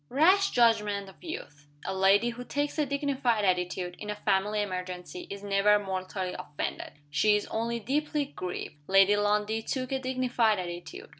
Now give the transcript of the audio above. Rash judgment of youth! A lady who takes a dignified attitude, in a family emergency, is never mortally offended she is only deeply grieved. Lady Lundie took a dignified attitude.